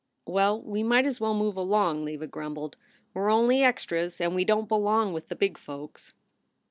"Well, we might as well move along," Leva grumbled. "We re only extras and we don t belong with the big folks."